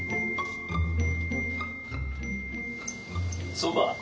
そば？